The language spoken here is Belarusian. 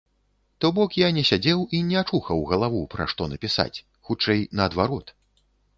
То бок, я не сядзеў і не чухаў галаву, пра што напісаць, хутчэй, наадварот.